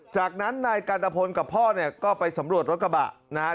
จากนั้นนายกันตะพลกับพ่อเนี่ยก็ไปสำรวจรถกระบะนะฮะ